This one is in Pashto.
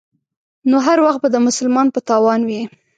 نو هر وخت به د مسلمان په تاوان وي.